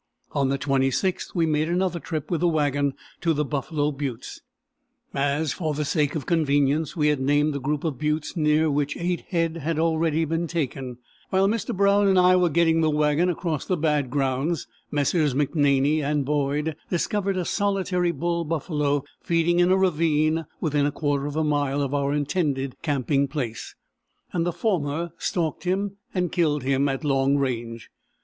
On the 26th we made an other trip with the wagon to the Buffalo Buttes, as, for the sake of convenience, we had named the group of buttes near which eight head had already been taken. While Mr. Brown and I were getting the wagon across the bad grounds, Messrs. McNaney and Boyd discovered a solitary bull buffalo feeding in a ravine within a quarter of a mile of our intended camping place, and the former stalked him and killed him at long range.